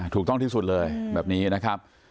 ถูกต้องที่สุดเลยแบบนี้นะครับ